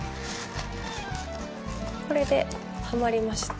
これではまりました。